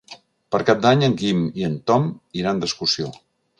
Per Cap d'Any en Guim i en Tom iran d'excursió.